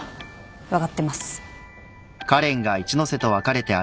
分かってます。